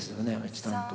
一段と。